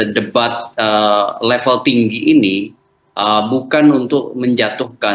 debat level tinggi ini bukan untuk menjatuhkan